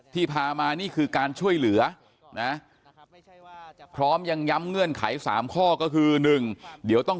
พามานี่คือการช่วยเหลือนะพร้อมยังย้ำเงื่อนไข๓ข้อก็คือ๑เดี๋ยวต้อง